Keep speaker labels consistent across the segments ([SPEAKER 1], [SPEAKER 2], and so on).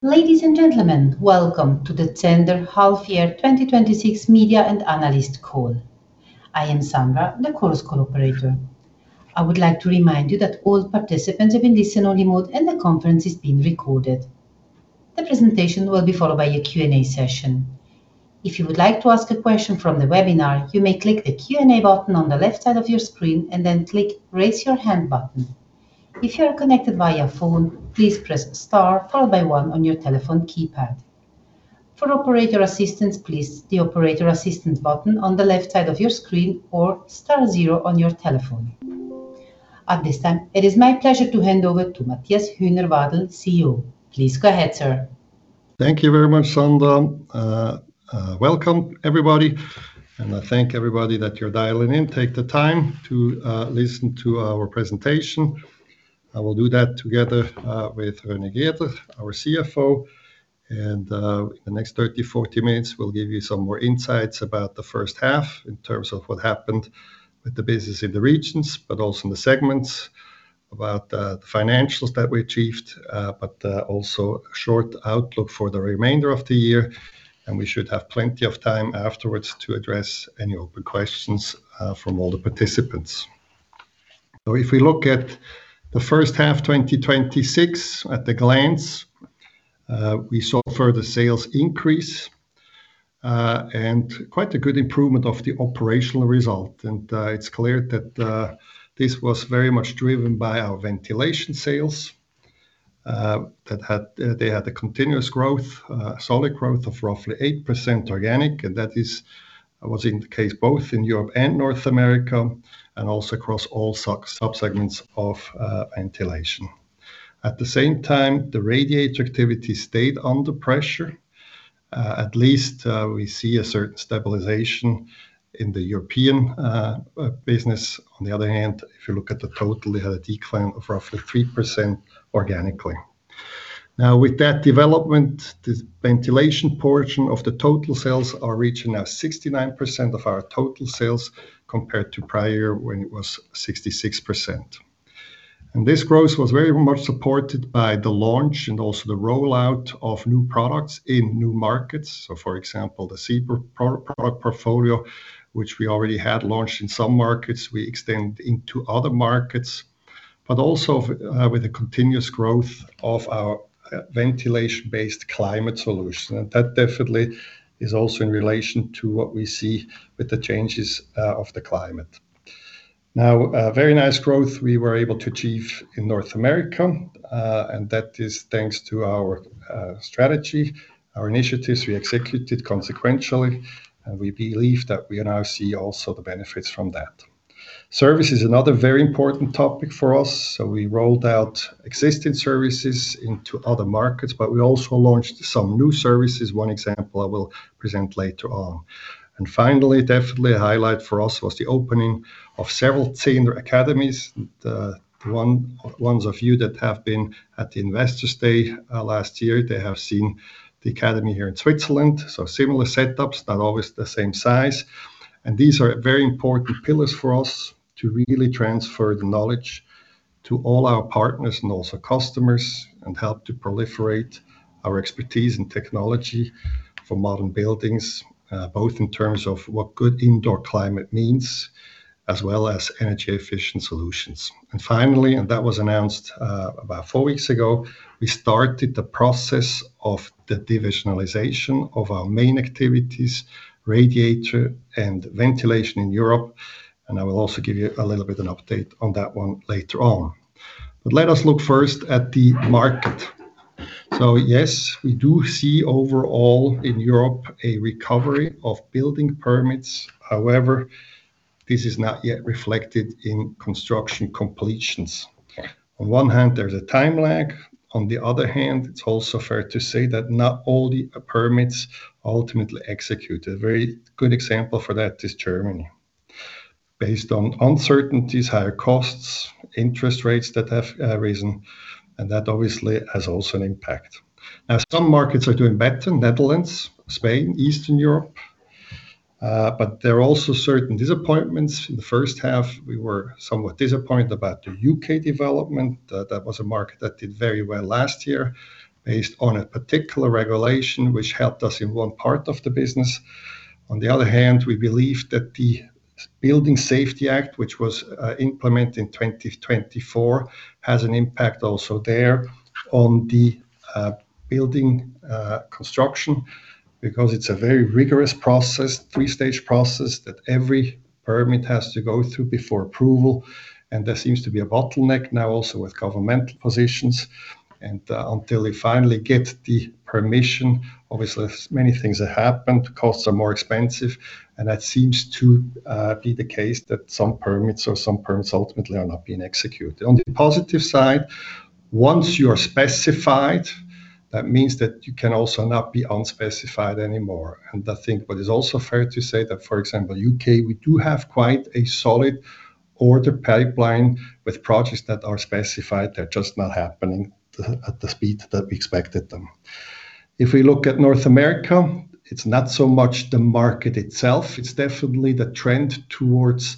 [SPEAKER 1] Ladies and gentlemen, welcome to the Zehnder H1 2026 Media and Analyst Call. I am Sandra, the call's operator. I would like to remind you that all participants have been listen-only mode, and the conference is being recorded. The presentation will be followed by a Q&A session. If you would like to ask a question from the webinar, you may click the Q&A button on the left side of your screen and then click Raise Your Hand button. If you are connected via phone, please press star followed by one on your telephone keypad. For operator assistance, please press the Operator Assistance button on the left side of your screen or star zero on your telephone. At this time, it is my pleasure to hand over to Matthias Huenerwadel, CEO. Please go ahead, sir.
[SPEAKER 2] Thank you very much, Sandra. Welcome, everybody. I thank everybody that you're dialing in. Take the time to listen to our presentation. I will do that together with René Grieder, our CFO. In the next 30, 40 minutes, we'll give you some more insights about the H1 in terms of what happened with the business in the regions, also in the segments about the financials that we achieved, also a short outlook for the remainder of the year. We should have plenty of time afterwards to address any open questions from all the participants. If we look at the H1 2026 at a glance, we saw further sales increase and quite a good improvement of the operational result. It's clear that this was very much driven by our ventilation sales. They had a continuous growth, solid growth of roughly 8% organic. That was in the case both in Europe and North America and also across all sub-segments of ventilation. At the same time, the radiator activity stayed under pressure. At least we see a certain stabilization in the European business. On the other hand, if you look at the total, it had a decline of roughly 3% organically. With that development, the ventilation portion of the total sales are reaching now 69% of our total sales compared to prior when it was 66%. This growth was very much supported by the launch and also the rollout of new products in new markets. For example, the Zenia product portfolio, which we already had launched in some markets, we extend into other markets. Also with the continuous growth of our ventilation-based climate solution. That definitely is also in relation to what we see with the changes of the climate. Very nice growth we were able to achieve in North America. That is thanks to our strategy, our initiatives we executed consequentially, we believe that we now see also the benefits from that. Service is another very important topic for us. We rolled out existing services into other markets, we also launched some new services. One example I will present later on. Finally, definitely a highlight for us was the opening of several Zehnder Academies. The ones of you that have been at the Investor Day last year, they have seen the academy here in Switzerland. Similar setups, not always the same size. These are very important pillars for us to really transfer the knowledge to all our partners and also customers and help to proliferate our expertise in technology for modern buildings, both in terms of what good indoor climate means, as well as energy-efficient solutions. Finally, that was announced about four weeks ago, we started the process of the divisionalization of our main activities, radiator and ventilation in Europe. I will also give you a little bit of an update on that one later on. Let us look first at the market. Yes, we do see overall in Europe a recovery of building permits. However, this is not yet reflected in construction completions. On one hand, there is a time lag. On the other hand, it is also fair to say that not all the permits are ultimately executed. A very good example for that is Germany. Based on uncertainties, higher costs, interest rates that have risen, that obviously has also an impact. Some markets are doing better, Netherlands, Spain, Eastern Europe, but there are also certain disappointments. In the first half, we were somewhat disappointed about the U.K. development. That was a market that did very well last year based on a particular regulation, which helped us in one part of the business. On the other hand, we believe that the Building Safety Act, which was implemented in 2024, has an impact also there on the building construction because it is a very rigorous process, a three-stage process that every permit has to go through before approval, and there seems to be a bottleneck now also with governmental positions. Until they finally get the permission, obviously, many things have happened. Costs are more expensive, that seems to be the case that some permits or some permits ultimately are not being executed. On the positive side, once you are specified, that means that you can also not be unspecified anymore. I think what is also fair to say that, for example, U.K., we do have quite a solid order pipeline with projects that are specified. They are just not happening at the speed that we expected them. If we look at North America, it is not so much the market itself, it is definitely the trend towards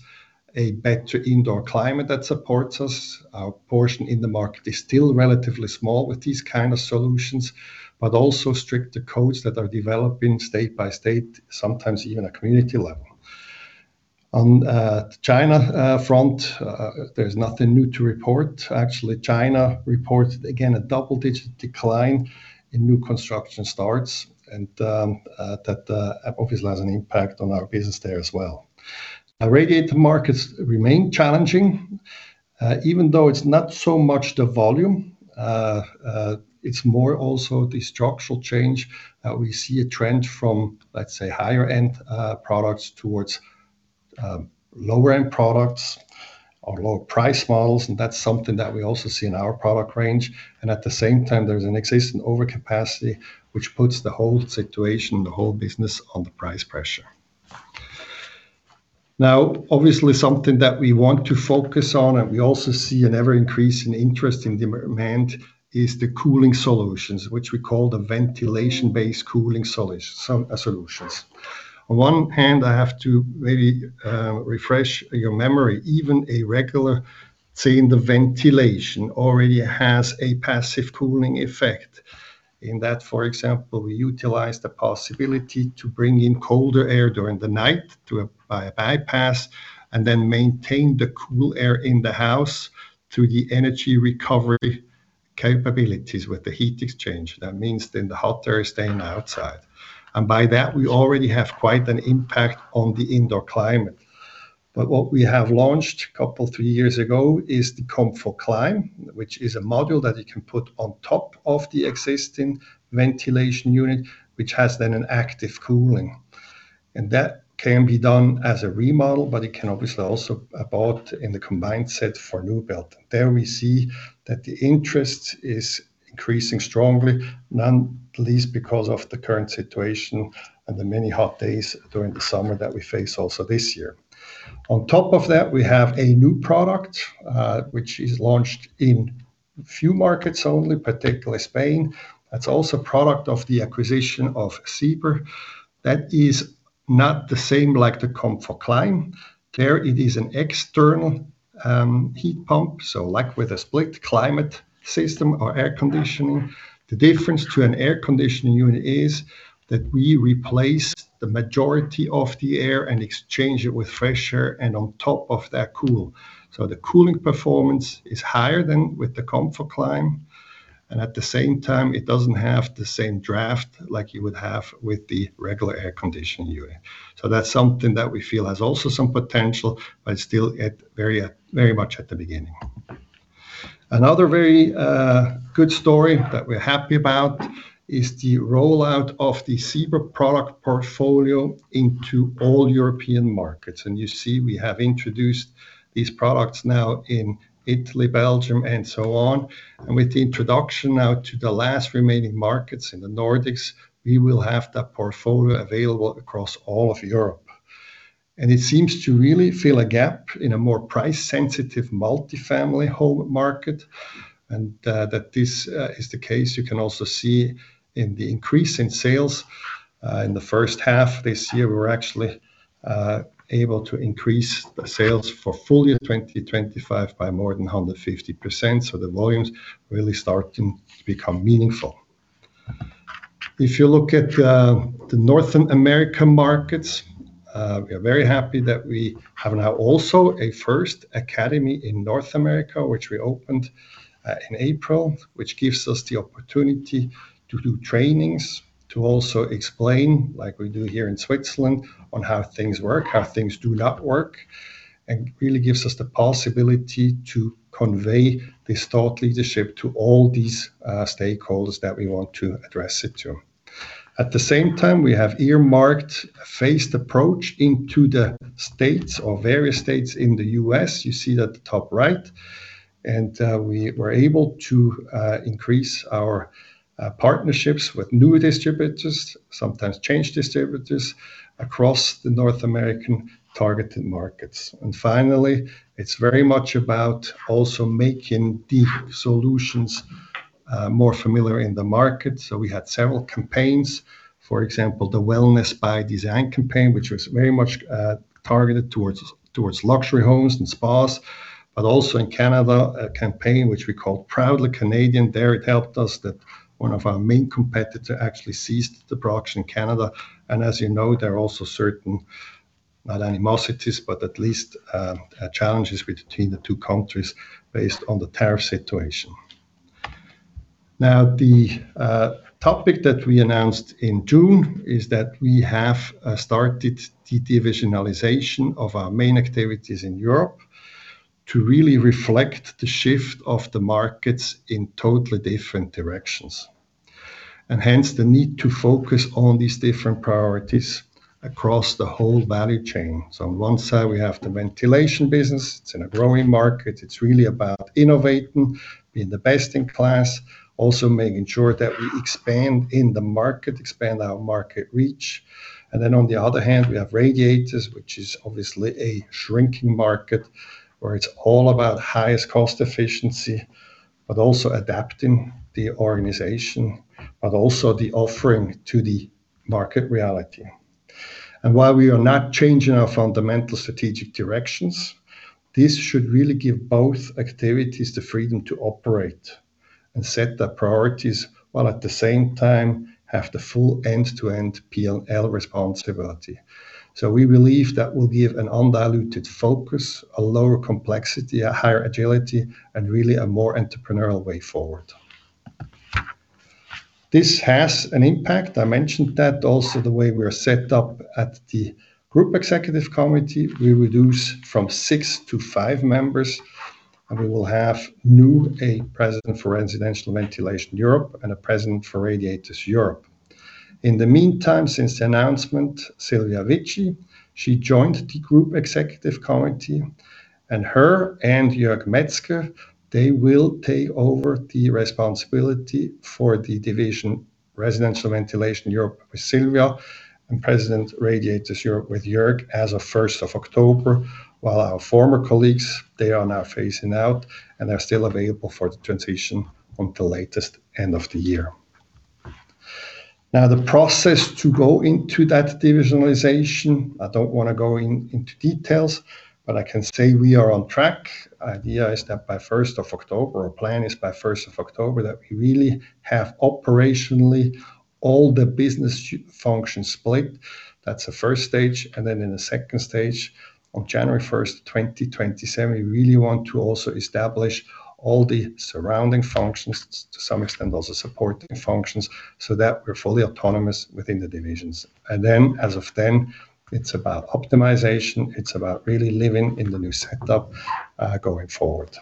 [SPEAKER 2] a better indoor climate that supports us. Our portion in the market is still relatively small with these kind of solutions, but also stricter codes that are developing state by state, sometimes even at community level. On China front, there is nothing new to report. China reported again a double-digit decline in new construction starts, that obviously has an impact on our business there as well. Our radiator markets remain challenging. Even though it is not so much the volume, it is more also the structural change. We see a trend from, let us say, higher-end products towards lower-end products or lower price models, that is something that we also see in our product range. At the same time, there is an existing overcapacity, which puts the whole situation, the whole business, under price pressure. Obviously, something that we want to focus on, we also see an ever-increasing interest in demand, is the cooling solutions, which we call the ventilation-based cooling solutions. On one hand, I have to maybe refresh your memory. Even a regular, say, in the ventilation, already has a passive cooling effect. In that, for example, we utilize the possibility to bring in colder air during the night through a bypass and then maintain the cool air in the house through the energy recovery capabilities with the heat exchange. That means the hot air is staying outside. By that, we already have quite an impact on the indoor climate. What we have launched couple, three years ago is the ComfoClime, which is a module that you can put on top of the existing ventilation unit, which has then an active cooling. That can be done as a remodel, but it can obviously also bought in the combined set for new build. There we see that the interest is increasing strongly, not least because of the current situation and the many hot days during the summer that we face also this year. On top of that, we have a new product, which is launched in few markets only, particularly Spain. That's also product of the acquisition of Zehnder. That is not the same like the ComfoClime. There it is an external heat pump, like with a split climate system or air conditioning. The difference to an air conditioning unit is that we replace the majority of the air and exchange it with fresh air, and on top of that, cool. The cooling performance is higher than with the ComfoClime, and at the same time, it doesn't have the same draft like you would have with the regular air conditioning unit. That's something that we feel has also some potential, but still very much at the beginning. Another very good story that we're happy about is the rollout of the Zehnder product portfolio into all European markets. You see we have introduced these products now in Italy, Belgium, and so on. With the introduction now to the last remaining markets in the Nordics, we will have that portfolio available across all of Europe. It seems to really fill a gap in a more price-sensitive multifamily home market. That this is the case, you can also see in the increase in sales. In the H1 this year, we're actually able to increase the sales for full year 2025 by more than 150%, the volume's really starting to become meaningful. If you look at the North America markets, we are very happy that we have now also a first Academy in North America, which we opened in April, which gives us the opportunity to do trainings, to also explain, like we do here in Switzerland, on how things work, how things do not work. Really gives us the possibility to convey this thought leadership to all these stakeholders that we want to address it to. At the same time, we have earmarked a phased approach into the states or various states in the U.S. You see that at the top right. We were able to increase our partnerships with new distributors, sometimes change distributors, across the North American targeted markets. Finally, it's very much about also making the solutions more familiar in the market. We had several campaigns. For example, the Wellness by Design campaign, which was very much targeted towards luxury homes and spas. Also in Canada, a campaign which we call Proudly Canadian. There it helped us that one of our main competitor actually ceased the production in Canada. As you know, there are also certain, not animosities, but at least challenges between the two countries based on the tariff situation. The topic that we announced in June is that we have started the divisionalization of our main activities in Europe to really reflect the shift of the markets in totally different directions, and hence the need to focus on these different priorities across the whole value chain. On one side, we have the ventilation business. It's in a growing market. It's really about innovating, being the best in class. Also making sure that we expand in the market, expand our market reach. On the other hand, we have radiators, which is obviously a shrinking market, where it's all about highest cost efficiency, but also adapting the organization, but also the offering to the market reality. While we are not changing our fundamental strategic directions, this should really give both activities the freedom to operate and set their priorities, while at the same time have the full end-to-end P&L responsibility. We believe that will give an undiluted focus, a lower complexity, a higher agility, and really a more entrepreneurial way forward. This has an impact. I mentioned that also the way we're set up at the Group Executive Committee, we reduce from six to five members, and we will have new, a president for Residential Ventilation Europe and a president for Radiators Europe. In the meantime, since the announcement, Silvia Witschi, she joined the Group Executive Committee, and her and Jörg Metzger, they will take over the responsibility for the division, Residential Ventilation Europe with Silvia, and President Radiators Europe with Jörg as of 1st of October, while our former colleagues, they are now phasing out, and they are still available for the transition until latest end of the year. The process to go into that divisionalization, I don't want to go into details, but I can say we are on track. Idea is that by 1st of October, our plan is by 1st of October that we really have operationally all the business functions split. That's the first stage. Then in the second stage, on January 1st, 2027, we really want to also establish all the surrounding functions, to some extent also supporting functions, so that we're fully autonomous within the divisions. Then, as of then, it's about optimization. It's about really living in the new setup going forward.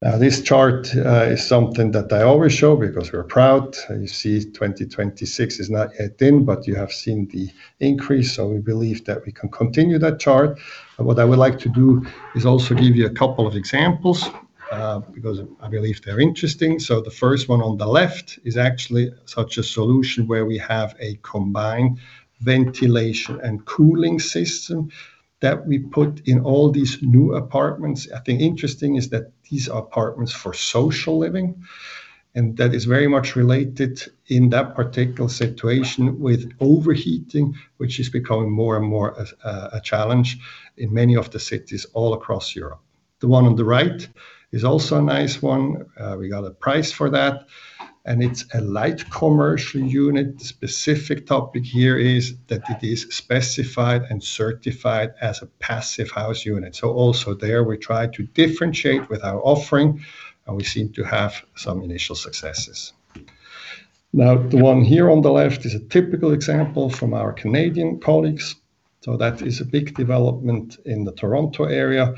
[SPEAKER 2] This chart is something that I always show because we're proud. You see 2026 is not yet in, but you have seen the increase, we believe that we can continue that chart. What I would like to do is also give you a couple of examples, because I believe they're interesting. The first one on the left is actually such a solution where we have a combined ventilation and cooling system that we put in all these new apartments. Interesting is that these are apartments for social living, and that is very much related in that particular situation with overheating, which is becoming more and more a challenge in many of the cities all across Europe. The one on the right is also a nice one. We got a prize for that, and it is a light commercial unit. Specific topic here is that it is specified and certified as a Passive House unit. Also there, we try to differentiate with our offering, and we seem to have some initial successes. The one here on the left is a typical example from our Canadian colleagues. That is a big development in the Toronto area.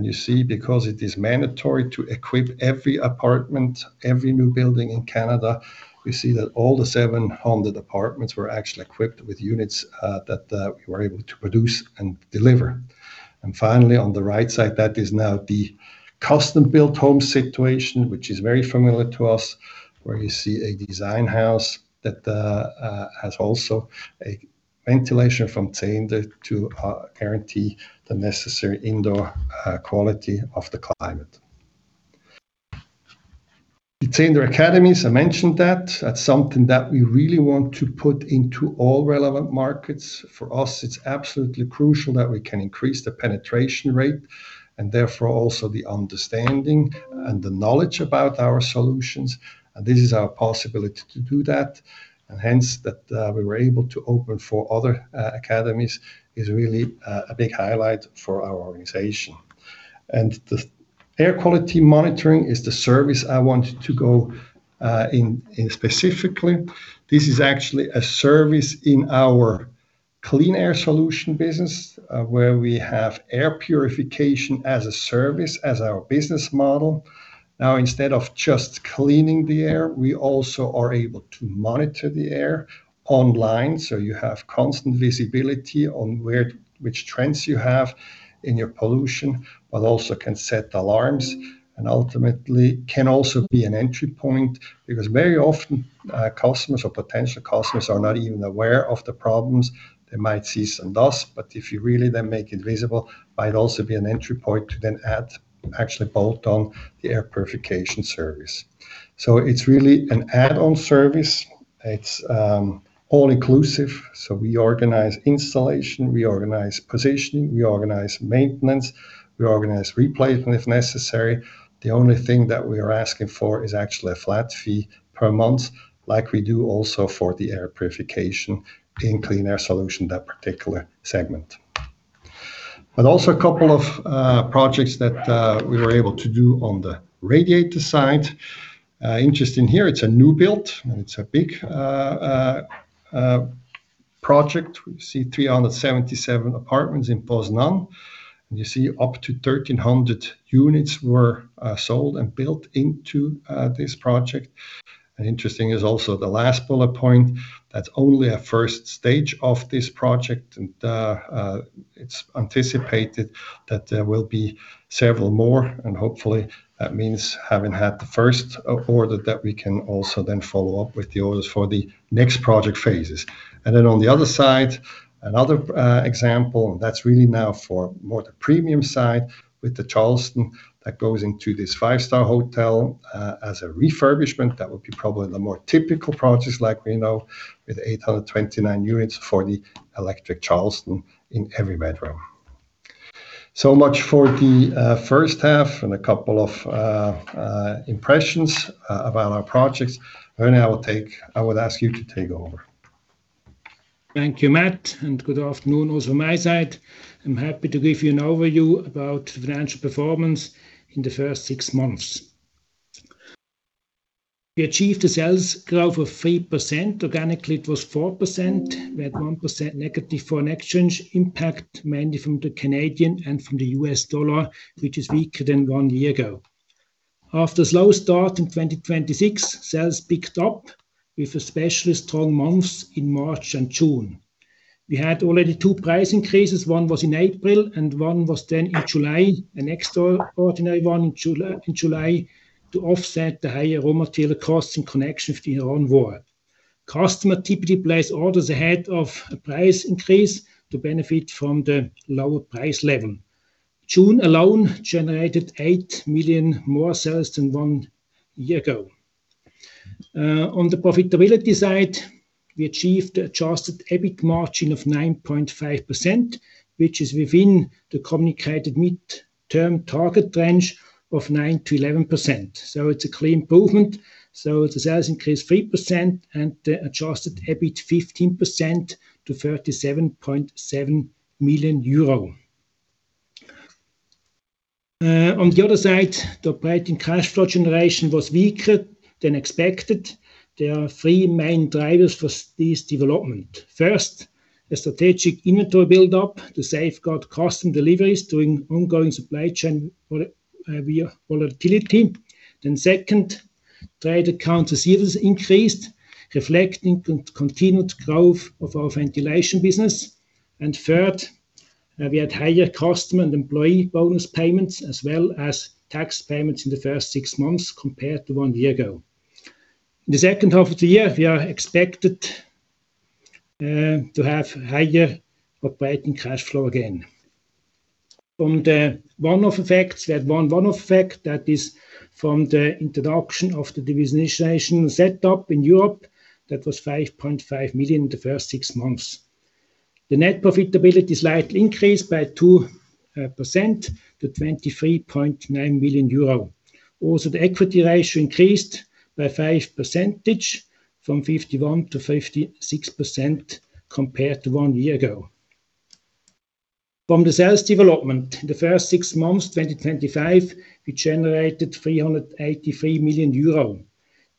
[SPEAKER 2] You see, because it is mandatory to equip every apartment, every new building in Canada, we see that all the 700 apartments were actually equipped with units that we were able to produce and deliver. Finally, on the right side, that is now the custom-built home situation, which is very familiar to us, where you see a design house that has also a ventilation from Zehnder to guarantee the necessary indoor air quality of the climate. The Zehnder Academies, I mentioned that. That's something that we really want to put into all relevant markets. For us, it's absolutely crucial that we can increase the penetration rate, and therefore, also the understanding and the knowledge about our solutions. This is our possibility to do that, and hence, that we were able to open four other academies is really a big highlight for our organization. The air quality monitoring is the service I wanted to go in specifically. This is actually a service in our Clean Air Solutions business, where we have air purification as a service as our business model. Instead of just cleaning the air, we also are able to monitor the air online, so you have constant visibility on which trends you have in your pollution, but also can set alarms, and ultimately can also be an entry point, because very often, customers or potential customers are not even aware of the problems. They might see some dust, but if you really then make it visible, might also be an entry point to then add, actually bolt on the air purification service. It's really an add-on service. It's all inclusive. We organize installation, we organize positioning, we organize maintenance, we organize replacement if necessary. The only thing that we are asking for is actually a flat fee per month, like we do also for the air purification in Clean Air Solutions, that particular segment. Also a couple of projects that we were able to do on the radiator side. Interesting here, it's a new build, and it's a big project. We see 377 apartments in Poznań. You see up to 1,300 units were sold and built into this project. Interesting is also the last bullet point. That's only a first stage of this project, and it's anticipated that there will be several more, and hopefully that means having had the first order that we can also then follow up with the orders for the next project phases. On the other side, another example that's really now for more the premium side with the Charleston that goes into this 5-star hotel as a refurbishment. That would be probably the more typical projects like we know with 829 units for the electric Charleston in every bedroom. Much for the H1 and a couple of impressions about our projects. René, I would ask you to take over.
[SPEAKER 3] Thank you, Matt, good afternoon also from my side. I'm happy to give you an overview about financial performance in the first six months. We achieved a sales growth of 3%. Organically, it was 4%. We had 1% negative foreign exchange impact, mainly from the Canadian dollar and from the US dollar, which is weaker than one year ago. After a slow start in 2026, sales picked up with especially strong months in March and June. We had already two price increases. One was in April and one was then in July, an extraordinary one in July to offset the higher raw material costs in connection with the Iran war. Customer typically place orders ahead of a price increase to benefit from the lower price level. June alone generated 8 million more sales than one year ago. On the profitability side, we achieved adjusted EBIT margin of 9.5%, which is within the communicated mid-term target range of 9%-11%. It's a clear improvement. The sales increased 3% and the adjusted EBIT 15% to 37.7 million euro. On the other side, the operating cash flow generation was weaker than expected. There are three main drivers for this development. First, a strategic inventory build-up to safeguard custom deliveries during ongoing supply chain volatility. Second, trade account receivables increased, reflecting the continued growth of our ventilation business. Third, we had higher customer and employee bonus payments, as well as tax payments in the first six months compared to one year ago. In the H2 of the year, we are expected to have higher operating cash flow again. From the one-off effects, we had one one-off effect that is from the introduction of the divisionalization setup in Europe. That was 5.5 million in the first six months. The net profitability slightly increased by 2% to 23.9 million euro. The equity ratio increased by 5 percentage from 51%-56% compared to one year ago. From the sales development, in the first six months 2025, we generated 383 million euro.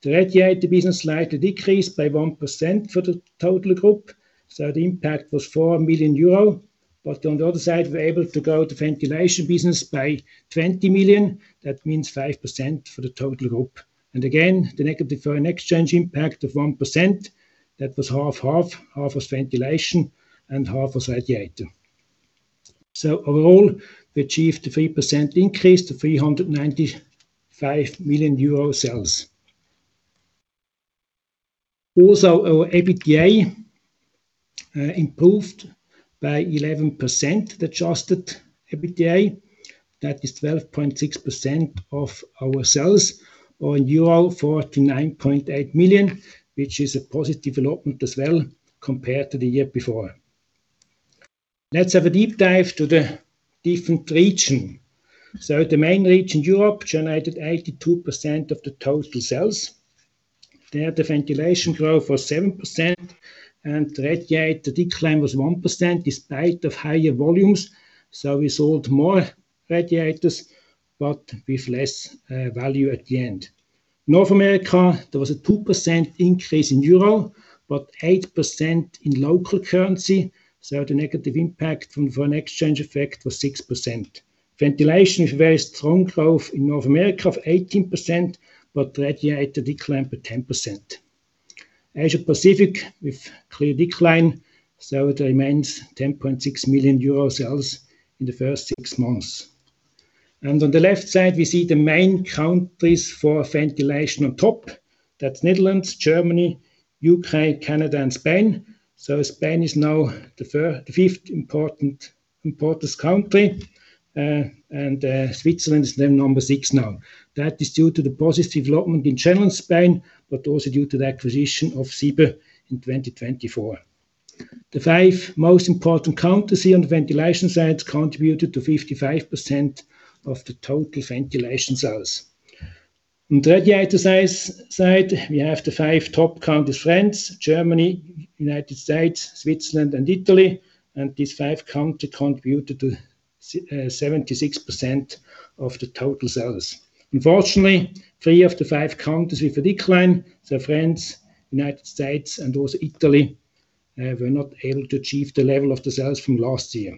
[SPEAKER 3] The radiator business slightly decreased by 1% for the total group, the impact was 4 million euro. On the other side, we were able to grow the ventilation business by 20 million. That means 5% for the total group. Again, the negative foreign exchange impact of 1%, that was half/half. Half was ventilation and half was radiator. Overall, we achieved a 3% increase to 395 million euro sales. Our EBITDA improved by 11%, the adjusted EBITDA. That is 12.6% of our sales or euro 49.8 million, which is a positive development as well compared to the year before. Let's have a deep dive to the different regions. The main region, Europe, generated 82% of the total sales. There, the ventilation growth was 7% and radiator decline was 1% despite higher volumes. We sold more radiators, but with less value at the end. North America, there was a 2% increase in EUR, but 8% in local currency. The negative impact from foreign exchange effect was 6%. Ventilation is very strong growth in North America of 18%, but radiator declined by 10%. Asia Pacific with clear decline. It remains 10.6 million euro sales in the first six months. On the left side, we see the main countries for ventilation on top. That's Netherlands, Germany, U.K., Canada, and Spain. Spain is now the most important country, and Switzerland is then number six now. That is due to the positive development in general in Spain, but also due to the acquisition of Siber in 2024. The five most important countries here on the ventilation side contributed to 55% of the total ventilation sales. On the radiator side, we have the five top countries, France, Germany, United States, Switzerland, and Italy. These five countries contributed to 76% of the total sales. Unfortunately, three of the five countries with a decline, France, United States, and also Italy, were not able to achieve the level of the sales from last year.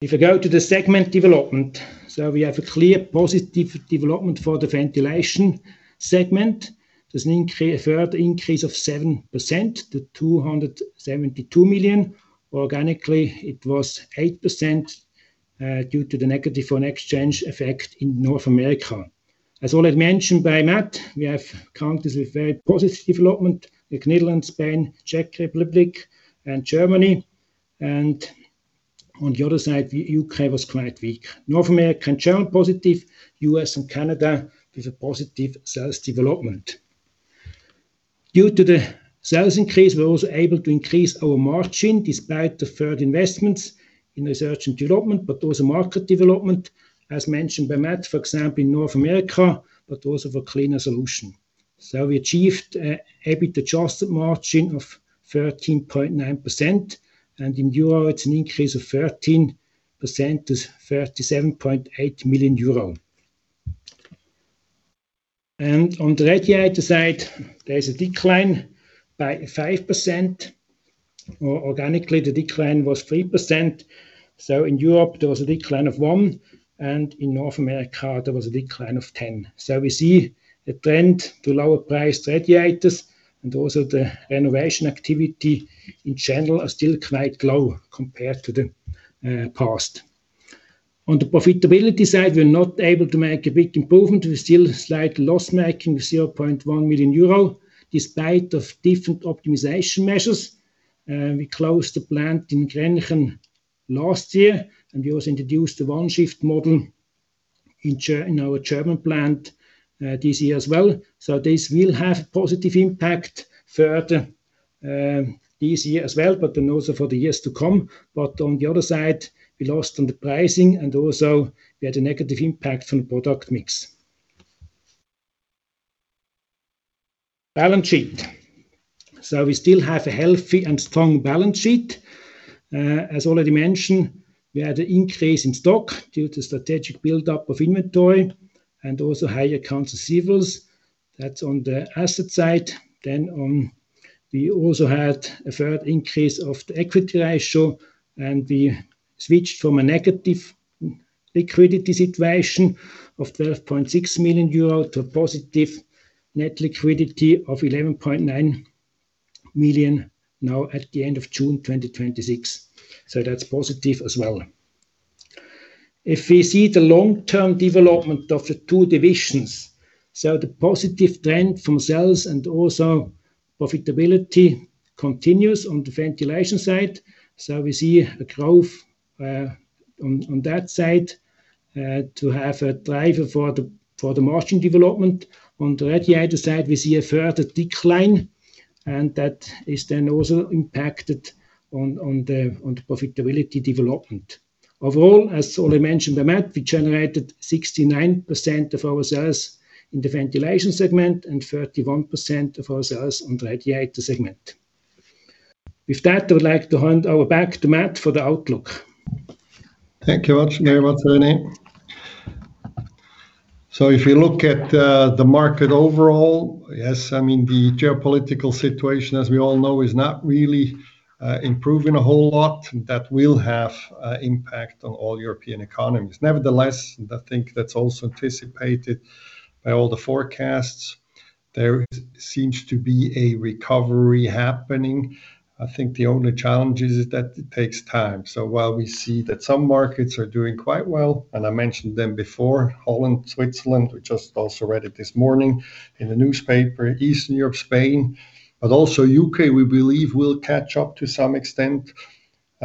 [SPEAKER 3] If I go to the segment development, we have a clear positive development for the ventilation segment. There's a further increase of 7% to 272 million. Organically, it was 8% due to the negative foreign exchange effect in North America. As already mentioned by Matt, we have countries with very positive development, the Netherlands, Spain, Czech Republic, and Germany. On the other side, the U.K. was quite weak. North America in general, positive. U.S. and Canada with a positive sales development. Due to the sales increase, we're also able to increase our margin despite the further investments in research and development, but also market development, as mentioned by Matt, for example, in North America, but also for Clean Air Solutions. We achieved EBITDA adjusted margin of 13.9%, and in EUR it's an increase of 13% to 37.8 million euro. On the radiator side, there is a decline by 5%, or organically the decline was 3%. In Europe there was a decline of 1%, and in North America there was a decline of 10%. We see a trend to lower price radiators, and also the renovation activity in general are still quite low compared to the past. On the profitability side, we're not able to make a big improvement. We're still slightly loss-making with 0.1 million euro, despite different optimization measures. We closed the plant in Grenchen last year, and we also introduced the one-shift model in our German plant, this year as well. This will have positive impact further, this year as well, but then also for the years to come. On the other side, we lost on the pricing and also we had a negative impact from product mix. Balance sheet. We still have a healthy and strong balance sheet. As already mentioned, we had an increase in stock due to strategic buildup of inventory and also higher accounts receivables. That's on the asset side. We also had a third increase of the equity ratio, and we switched from a negative liquidity situation of 12.6 million euro to a positive net liquidity of 11.9 million now at the end of June 2026. That's positive as well. If we see the long-term development of the two divisions, the positive trend from sales and also profitability continues on the ventilation side. We see a growth on that side, to have a driver for the margin development. On the radiator side, we see a further decline, and that is then also impacted on the profitability development. Overall, as already mentioned by Matt, we generated 69% of our sales in the ventilation segment and 31% of our sales on the radiator segment. With that, I would like to hand over back to Matt for the outlook.
[SPEAKER 2] Thank you very much, René. If you look at the market overall, yes, the geopolitical situation, as we all know, is not really improving a whole lot. That will have an impact on all European economies. Nevertheless, I think that's also anticipated by all the forecasts. There seems to be a recovery happening. I think the only challenge is that it takes time. While we see that some markets are doing quite well, and I mentioned them before, Holland, Switzerland, we just also read it this morning in the newspaper, Eastern Europe, Spain, but also U.K. we believe will catch up to some extent.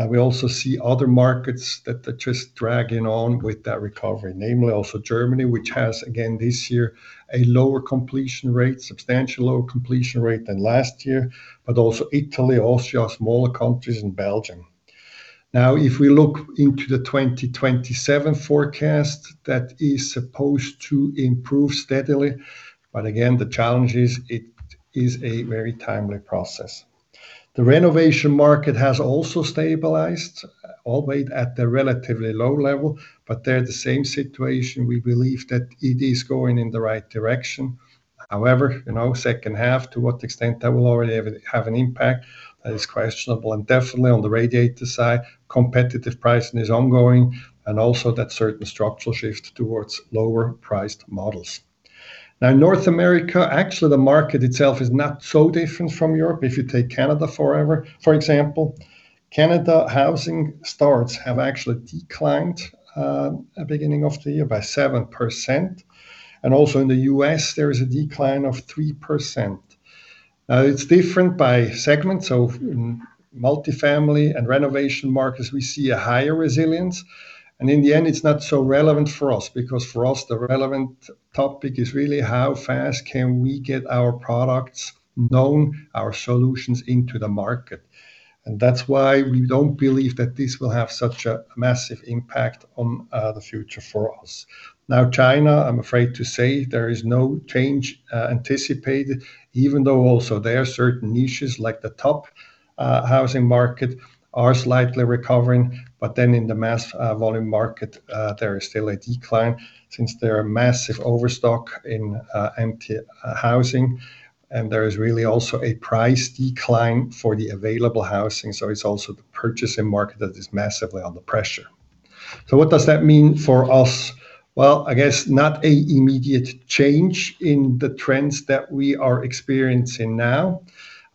[SPEAKER 2] We also see other markets that are just dragging on with that recovery, namely also Germany, which has, again, this year, a lower completion rate, substantial lower completion rate than last year, but also Italy, Austria, smaller countries, and Belgium. If we look into the 2027 forecast, that is supposed to improve steadily, but again, the challenge is it is a very timely process. The renovation market has also stabilized, albeit at a relatively low level, but there the same situation. We believe that it is going in the right direction. However, H2, to what extent that will already have an impact is questionable. And definitely on the radiator side, competitive pricing is ongoing, and also that certain structural shift towards lower priced models. North America, actually the market itself is not so different from Europe. If you take Canada, for example, Canada housing starts have actually declined, at beginning of the year by 7%. And also in the U.S., there is a decline of 3%. Now, it's different by segments, so in multifamily and renovation markets, we see a higher resilience. In the end, it's not so relevant for us because for us, the relevant topic is really how fast can we get our products known, our solutions into the market. That's why we don't believe that this will have such a massive impact on the future for us. China, I'm afraid to say there is no change anticipated, even though also there are certain niches like the top housing market are slightly recovering, but then in the mass volume market, there is still a decline since there are massive overstock in empty housing, and there is really also a price decline for the available housing. It's also the purchasing market that is massively under pressure. What does that mean for us? Well, I guess not an immediate change in the trends that we are experiencing now.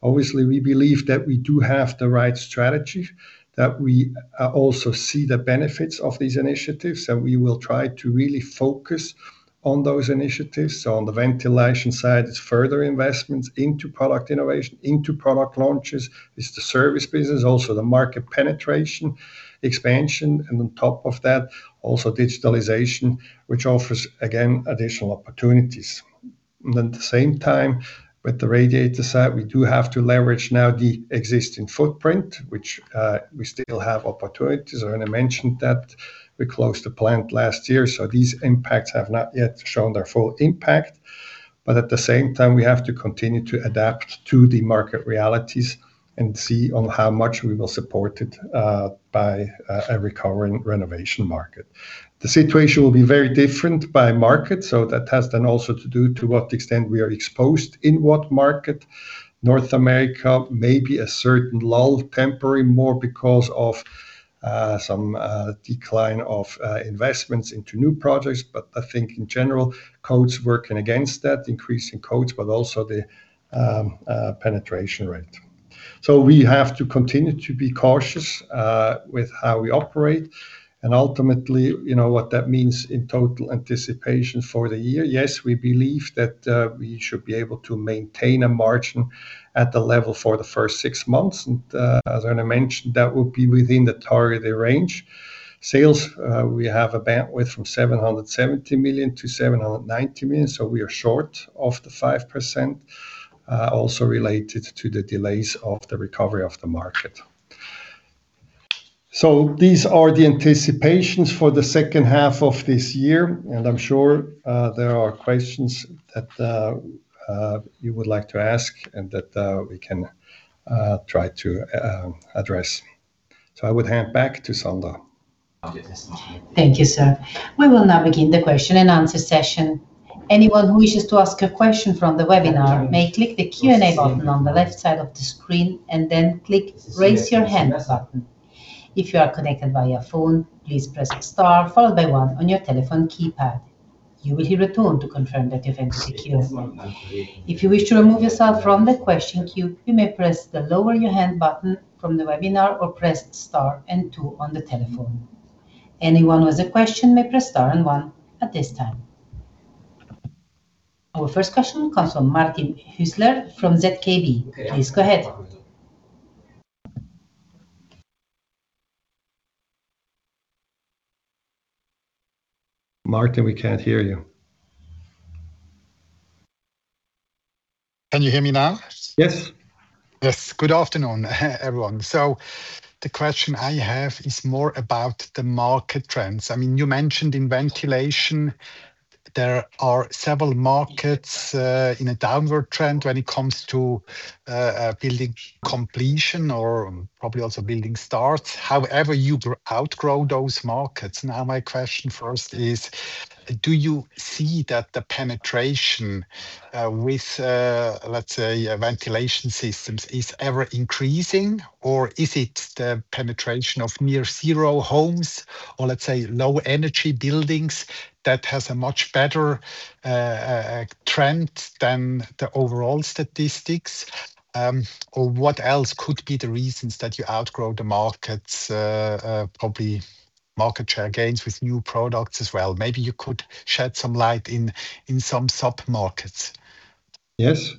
[SPEAKER 2] Obviously, we believe that we do have the right strategy, that we also see the benefits of these initiatives, and we will try to really focus on those initiatives. On the ventilation side, it's further investments into product innovation, into product launches. It's the service business also, the market penetration expansion, and on top of that, also digitalization, which offers, again, additional opportunities. At the same time, with the radiator side, we do have to leverage now the existing footprint, which we still have opportunities. I mentioned that we closed the plant last year, so these impacts have not yet shown their full impact. At the same time, we have to continue to adapt to the market realities and see on how much we will support it by a recovering renovation market. The situation will be very different by market, so that has then also to do to what extent we are exposed in what market. North America may be a certain lull, temporary more because of some decline of investments into new projects. I think in general, codes working against that, increasing codes, but also the penetration rate. We have to continue to be cautious with how we operate and ultimately, what that means in total anticipation for the year. Yes, we believe that we should be able to maintain a margin at the level for the first six months. As I mentioned, that will be within the targeted range. Sales, we have a bandwidth from 770 million-790 million, so we are short of the 5%, also related to the delays of the recovery of the market. These are the anticipations for the H2 of this year, and I'm sure there are questions that you would like to ask and that we can try to address. I would hand back to Sandra.
[SPEAKER 1] Thank you, sir. We will now begin the question and answer session. Anyone who wishes to ask a question from the webinar may click the Q&A button on the left side of the screen and then click Raise Your Hand button. If you are connected via phone, please press star followed by one on your telephone keypad. You will hear a tone to confirm that you have been secured. If you wish to remove yourself from the question queue, you may press the Lower Your Hand button from the webinar or press star and two on the telephone. Anyone with a question may press star and one at this time. Our first question comes from Martin Hüsler from ZKB. Please go ahead.
[SPEAKER 2] Martin, we can't hear you.
[SPEAKER 4] Can you hear me now?
[SPEAKER 2] Yes.
[SPEAKER 4] Yes. Good afternoon, everyone. The question I have is more about the market trends. You mentioned in ventilation, there are several markets in a downward trend when it comes to building completion or probably also building starts, however you outgrow those markets. My question first is, do you see that the penetration with, let's say, ventilation systems is ever increasing, or is it the penetration of Nearly Zero-Energy Building or, let's say, low energy buildings that has a much better trend than the overall statistics? What else could be the reasons that you outgrow the markets? Probably market share gains with new products as well. Maybe you could shed some light in some sub-markets.
[SPEAKER 2] Yes.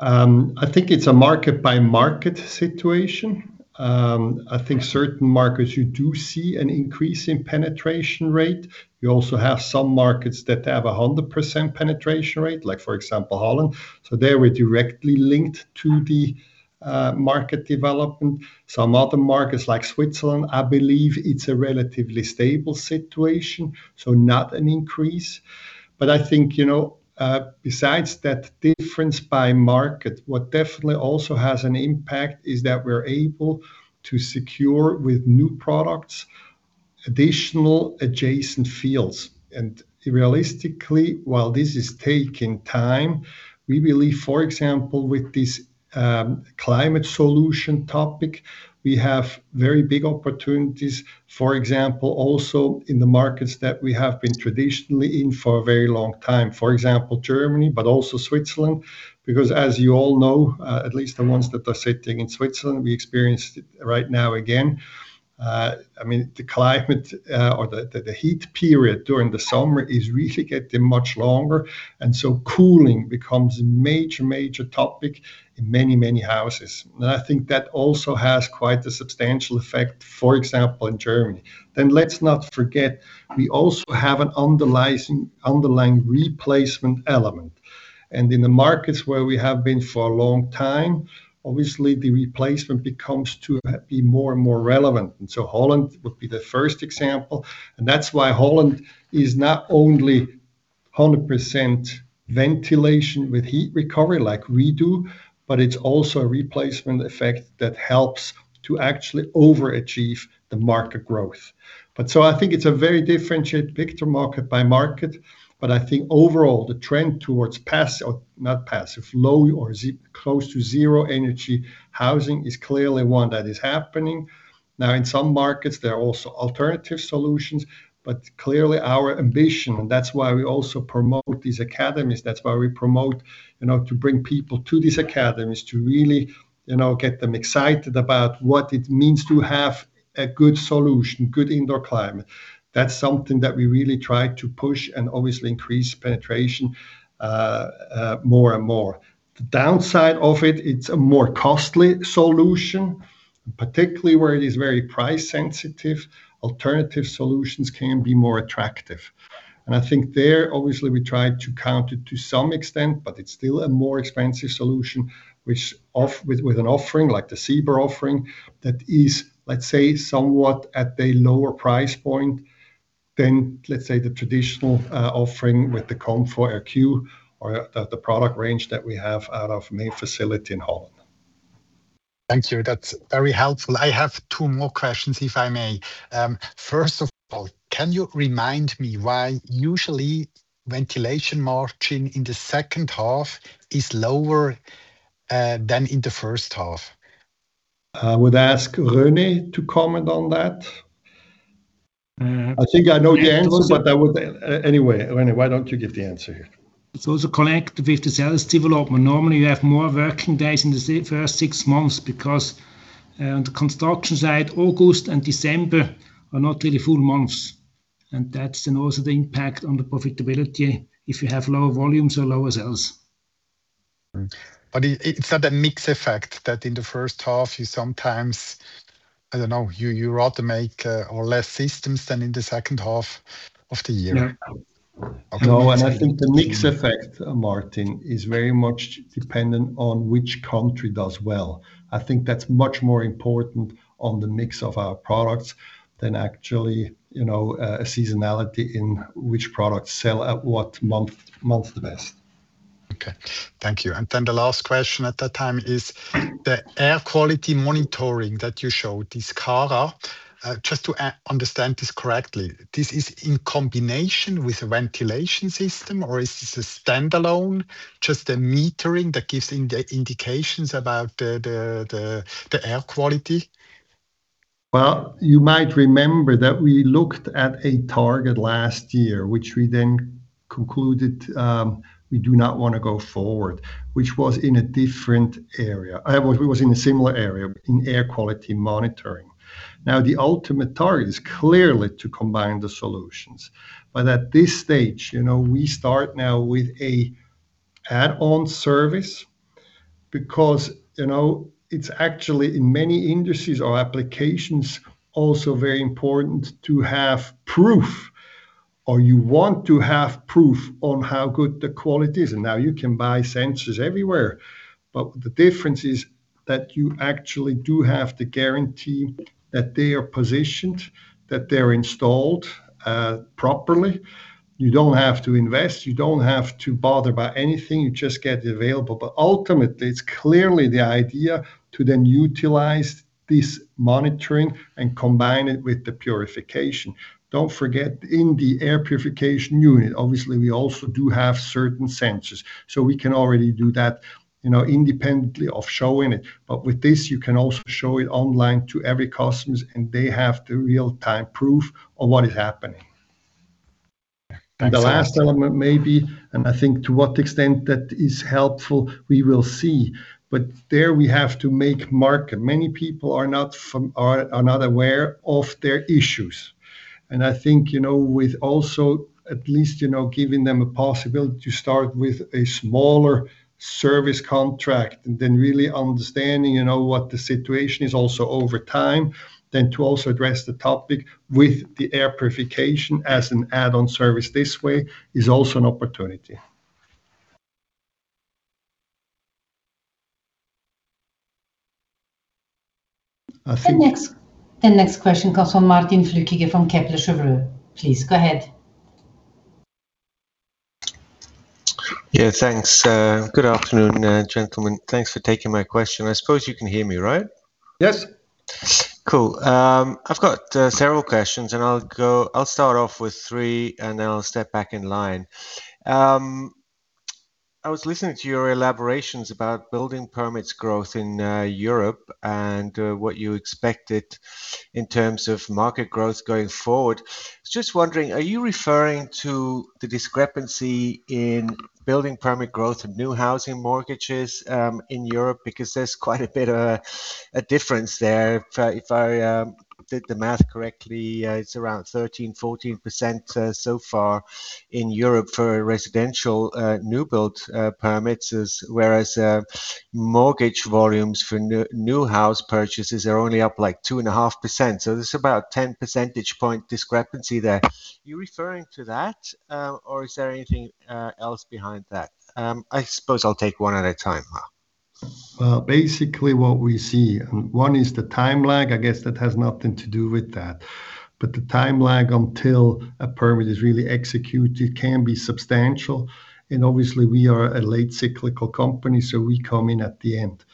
[SPEAKER 2] I think it's a market-by-market situation. I think certain markets, you do see an increase in penetration rate. You also have some markets that have 100% penetration rate, like for example, Holland. There, we're directly linked to the market development. Some other markets like Switzerland, I believe it's a relatively stable situation, so not an increase. I think, besides that difference by market, what definitely also has an impact is that we're able to secure with new products, additional adjacent fields. Realistically, while this is taking time, we believe, for example, with this climate solution topic, we have very big opportunities, for example, also in the markets that we have been traditionally in for a very long time. For example, Germany, but also Switzerland, because as you all know, at least the ones that are sitting in Switzerland, we experienced it right now again. The climate or the heat period during the summer is really getting much longer. Cooling becomes a major topic in many houses. I think that also has quite a substantial effect, for example, in Germany. Let's not forget, we also have an underlying replacement element. In the markets where we have been for a long time, obviously the replacement becomes to be more and more relevant. Holland would be the first example. That's why Holland is not only 100% ventilation with heat recovery like we do, but it's also a replacement effect that helps to actually overachieve the market growth. I think it's a very differentiated picture market by market, but I think overall, the trend towards passive, or not passive, low or close to zero energy housing is clearly one that is happening. In some markets, there are also alternative solutions. Clearly our ambition, that's why we also promote these academies, that's why we promote to bring people to these academies, to really get them excited about what it means to have a good solution, good indoor climate. That's something that we really try to push and obviously increase penetration more and more. The downside of it's a more costly solution, particularly where it is very price sensitive. Alternative solutions can be more attractive. I think there, obviously, we try to counter to some extent, but it's still a more expensive solution, which with an offering like the Zenia offering, that is, let's say, somewhat at a lower price point than, let's say, the traditional offering with the ComfoAir Q or the product range that we have out of main facility in Holland.
[SPEAKER 4] Thank you. That's very helpful. I have two more questions, if I may. First of all, can you remind me why usually ventilation margin in the H2 is lower than in the H1?
[SPEAKER 2] I would ask René to comment on that. I think I know the answer. Anyway, René, why don't you give the answer here?
[SPEAKER 3] It's also connected with the sales development. Normally, you have more working days in the first six months because on the construction side, August and December are not really full months, that's then also the impact on the profitability if you have lower volumes or lower sales.
[SPEAKER 4] It's not a mix effect, that in the H1 you sometimes, I don't know, you rather make or less systems than in the H2 of the year?
[SPEAKER 3] No.
[SPEAKER 2] No, I think the mix effect, Martin, is very much dependent on which country does well. I think that's much more important on the mix of our products than actually a seasonality in which products sell at what month the best.
[SPEAKER 4] Okay. Thank you. Then the last question at that time is the air quality monitoring that you showed, this CARA, just to understand this correctly, this is in combination with a ventilation system, or is this a standalone, just a metering that gives indications about the air quality?
[SPEAKER 2] Well, you might remember that we looked at a target last year, which we then concluded we do not want to go forward, which was in a different area. It was in a similar area, but in air quality monitoring. The ultimate target is clearly to combine the solutions. At this stage, we start now with an add-on service because it's actually, in many industries or applications, also very important to have proof, or you want to have proof on how good the quality is. Now you can buy sensors everywhere. The difference is that you actually do have the guarantee that they are positioned, that they're installed properly. You don't have to invest, you don't have to bother about anything. You just get it available. Ultimately, it's clearly the idea to then utilize this monitoring and combine it with the purification. Don't forget, in the air purification unit, obviously, we also do have certain sensors, so we can already do that independently of showing it. With this, you can also show it online to every customer, and they have the real-time proof of what is happening.
[SPEAKER 4] Thanks.
[SPEAKER 2] The last element may be, and I think to what extent that is helpful, we will see. There we have to make market. Many people are not aware of their issues. I think with also at least giving them a possibility to start with a smaller service contract and then really understanding what the situation is also over time, then to also address the topic with the air purification as an add-on service this way is also an opportunity.
[SPEAKER 1] The next question comes from Martin Flueckiger from Kepler Cheuvreux. Please, go ahead.
[SPEAKER 5] Thanks. Good afternoon, gentlemen. Thanks for taking my question. I suppose you can hear me, right?
[SPEAKER 2] Yes.
[SPEAKER 5] Cool. I've got several questions, and I'll start off with three, and then I'll step back in line. I was listening to your elaborations about building permits growth in Europe and what you expected in terms of market growth going forward. I was just wondering, are you referring to the discrepancy in building permit growth and new housing mortgages in Europe? Because there's quite a bit of a difference there. If I did the math correctly, it's around 13%, 14% so far in Europe for residential new build permits, whereas mortgage volumes for new house purchases are only up like 2.5%. There's about a 10 percentage point discrepancy there. Are you referring to that? Is there anything else behind that? I suppose I'll take one at a time.
[SPEAKER 2] Basically what we see, one is the time lag. I guess that has nothing to do with that. The time lag until a permit is really executed can be substantial, and obviously we are a late cyclical company, so we come in at the end.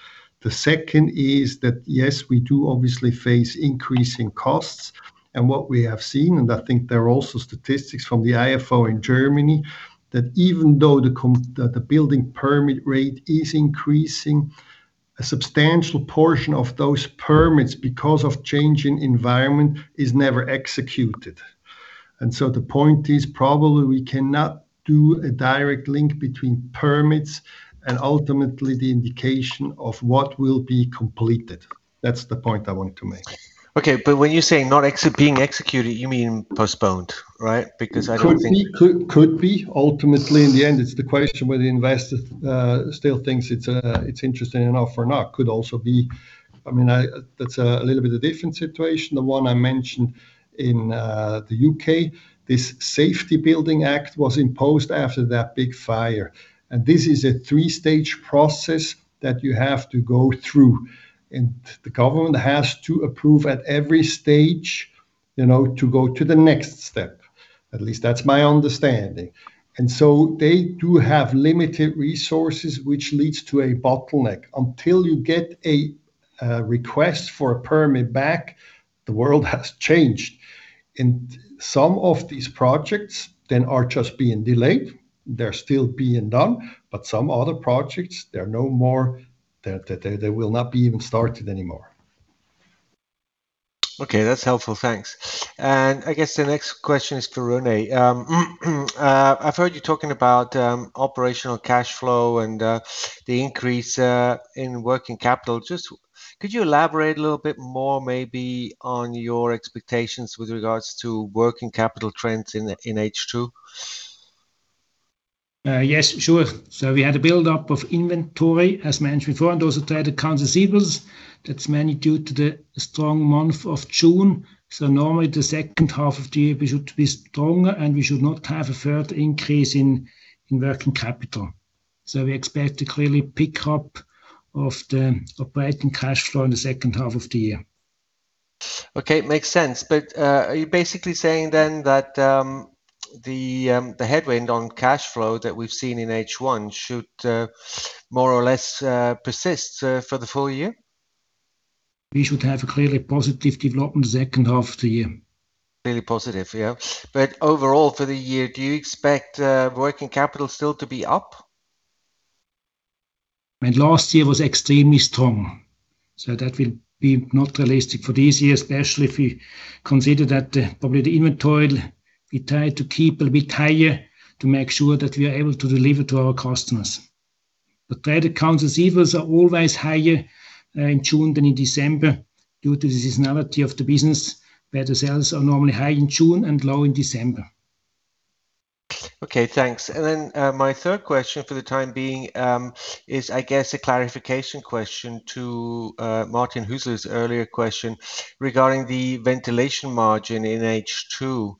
[SPEAKER 2] The second is that, yes, we do obviously face increasing costs and what we have seen, and I think there are also statistics from the ifo in Germany, that even though the building permit rate is increasing, a substantial portion of those permits, because of change in environment, is never executed. The point is probably we cannot do a direct link between permits and ultimately the indication of what will be completed. That's the point I wanted to make.
[SPEAKER 5] Okay. When you say not being executed, you mean postponed, right?
[SPEAKER 2] Could be. Ultimately in the end, it's the question whether the investor still thinks it's interesting enough or not. Could also be. That's a little bit of different situation. The one I mentioned in the U.K., this Building Safety Act was imposed after that big fire, and this is a three-stage process that you have to go through, and the government has to approve at every stage to go to the next step. At least that's my understanding. They do have limited resources, which leads to a bottleneck. Until you get a request for a permit back, the world has changed, and some of these projects then are just being delayed. They're still being done. Some other projects, they're no more. They will not be even started anymore.
[SPEAKER 5] Okay. That's helpful. Thanks. I guess the next question is for René. I've heard you talking about operational cash flow and the increase in working capital. Just could you elaborate a little bit more maybe on your expectations with regards to working capital trends in H2?
[SPEAKER 3] Yes, sure. We had a buildup of inventory, as mentioned before, and also trade account receivables. That's mainly due to the strong month of June. Normally the H2 of the year we should be stronger, and we should not have a further increase in working capital. We expect to clearly pick up of the operating cash flow in the H2 of the year.
[SPEAKER 5] Okay. Makes sense. Are you basically saying then that the headwind on cash flow that we've seen in H1 should more or less persist for the full year?
[SPEAKER 3] We should have a clearly positive development H2 of the year.
[SPEAKER 5] Fairly positive. Yeah. Overall for the year, do you expect working capital still to be up?
[SPEAKER 3] Last year was extremely strong, so that will be not realistic for this year, especially if you consider that probably the inventory we try to keep a bit higher to make sure that we are able to deliver to our customers. The trade accounts receivables are always higher in June than in December due to the seasonality of the business, where the sales are normally high in June and low in December.
[SPEAKER 5] Okay, thanks. Then, my third question for the time being is, I guess a clarification question to Martin Hüsler's earlier question regarding the ventilation margin in H2.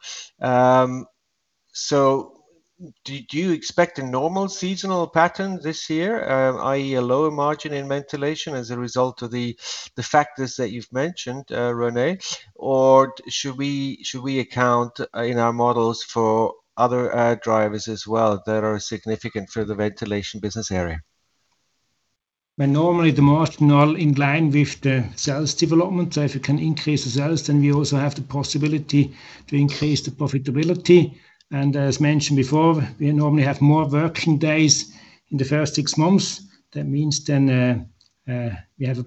[SPEAKER 5] Do you expect a normal seasonal pattern this year, i.e. a lower margin in ventilation as a result of the factors that you've mentioned, René? Should we account in our models for other drivers as well that are significant for the ventilation business area?
[SPEAKER 3] Normally, the margins are in line with the sales development. If you can increase the sales, we also have the possibility to increase the profitability. As mentioned before, we normally have more working days in the first six months. That means we have,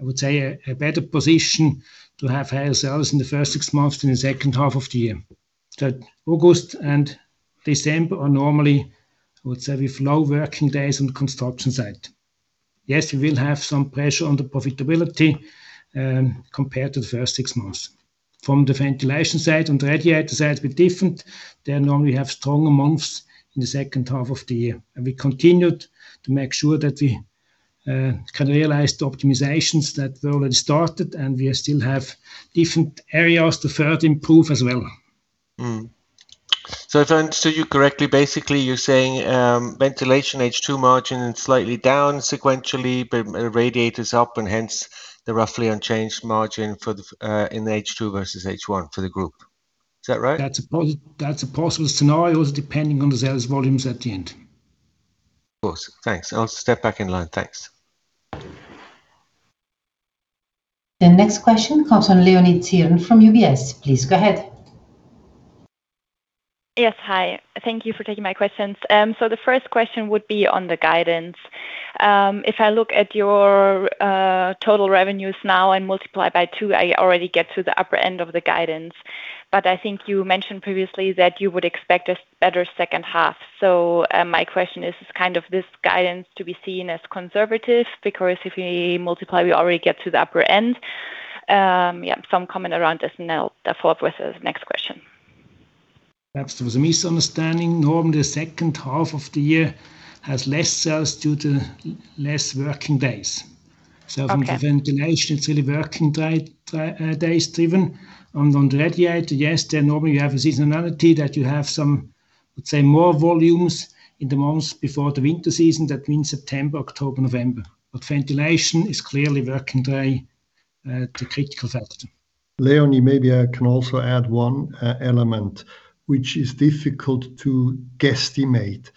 [SPEAKER 3] I would say, a better position to have higher sales in the first six months than the H2 of the year. That August and December are normally, I would say, with low working days on the construction site. Yes, we will have some pressure on the profitability compared to the first six months. From the ventilation side and the radiator side, we're different. There normally we have stronger months in the H2 of the year. We continued to make sure that we can realize the optimizations that we already started. We still have different areas to further improve as well.
[SPEAKER 5] If I understood you correctly, basically you're saying ventilation H2 margin is slightly down sequentially, radiators up and hence the roughly unchanged margin in the H2 versus H1 for the group. Is that right?
[SPEAKER 3] That's a possible scenario, depending on the sales volumes at the end.
[SPEAKER 5] Of course. Thanks. I'll step back in line. Thanks.
[SPEAKER 1] The next question comes from Leonie Zirn from UBS. Please go ahead.
[SPEAKER 6] Yes. Hi. Thank you for taking my questions. The first question would be on the guidance. If I look at your total revenues now and multiply by two, I already get to the upper end of the guidance. I think you mentioned previously that you would expect a better H2. My question is: Is kind of this guidance to be seen as conservative? If you multiply, we already get to the upper end. Some comment around this, and I'll follow up with the next question.
[SPEAKER 3] Perhaps there was a misunderstanding. Normally, the H2 of the year has less sales due to less working days. From the ventilation, it's really working days driven. On the radiator, yes, then normally you have a seasonality that you have some, let's say, more volumes in the months before the winter season. That means September, October, November. Ventilation is clearly working day, the critical factor.
[SPEAKER 2] Leonie, maybe I can also add one element, which is difficult to guesstimate.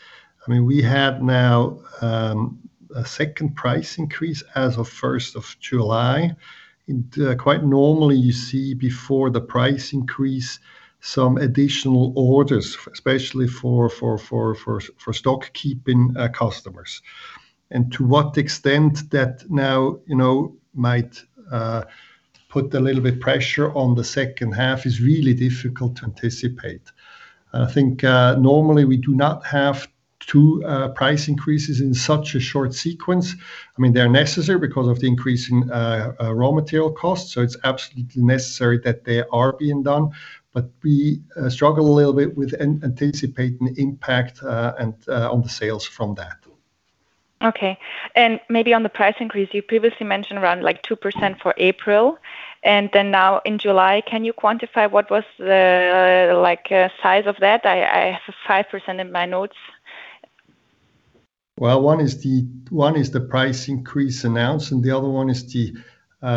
[SPEAKER 2] We have now a second price increase as of first of July. Quite normally, you see before the price increase, some additional orders, especially for stock keeping customers. To what extent that now might put a little bit pressure on the H2 is really difficult to anticipate. I think, normally we do not have two price increases in such a short sequence. They're necessary because of the increase in raw material costs, it's absolutely necessary that they are being done, but we struggle a little bit with anticipating the impact on the sales from that.
[SPEAKER 6] Okay. Maybe on the price increase, you previously mentioned around 2% for April, then now in July. Can you quantify what was the size of that? I have 5% in my notes.
[SPEAKER 2] Well, one is the price increase announced, the other one is the